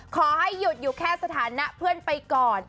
ขอให้หยุดอยู่แค่สถานะเพื่อนไปก่อน